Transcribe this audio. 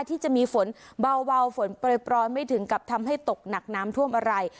ที่จะมีฝนเบาฝนปล่อยไม่ถึงกับทำให้ตกหนักน้ำท่วมอะไร